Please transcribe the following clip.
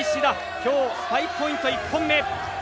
今日、スパイクポイント１本目！